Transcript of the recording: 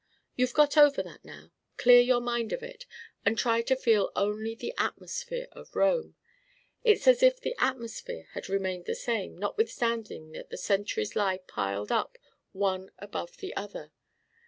You've got over that now. Clear your mind of it. And try to feel only the atmosphere of Rome. It's as if the atmosphere had remained the same, notwithstanding that the centuries lie piled up one above the other.